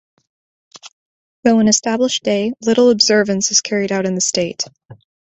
Though an established day, little observance is carried out in the state.